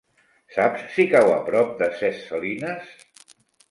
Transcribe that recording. Saps si cau a prop de Ses Salines?